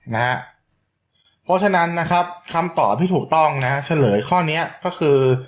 เพราะฉะนั้นคำตอบที่ถูกต้องเฉลยข้อนี้ก็คือ